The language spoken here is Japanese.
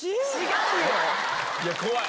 怖い！